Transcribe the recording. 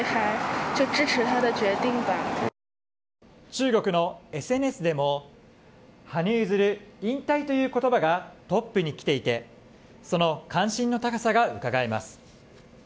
中国のＳＮＳでも、羽生結弦、引退ということばがトップに来ていて、その関心の高さがうかがえます。